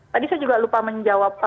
tadi saya juga lupa menjawab